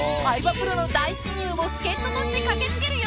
プロの大親友も助っ人として駆けつけるよ